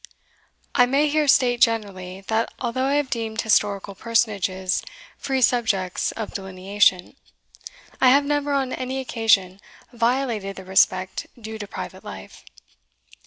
"I may here state generally, that although I have deemed historical personages free subjects of delineation, I have never on any occasion violated the respect due to private life.